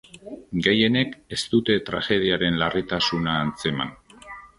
Gehienek ez dute tragediaren larritasuna antzeman.